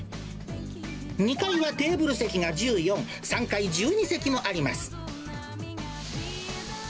２階はテーブル席が１４、３階１２席もあります。